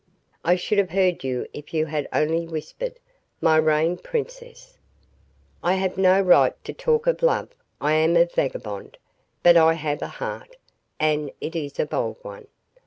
"I should have heard you if you had only whispered, my rain princess. I have no right to talk of love I am a vagabond; but I have a heart, and it is a bold one.